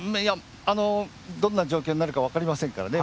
どんな状況になるか分かりませんからね。